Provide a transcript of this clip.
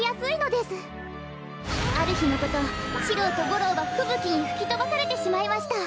あるひのことシローとゴローがふぶきにふきとばされてしまいました。